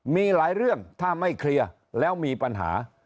มีหลายเรื่องถ้าไม่เคลียร์แล้วมีปัญหา